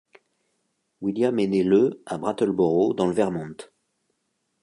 William est né le à Brattleboro, dans le Vermont.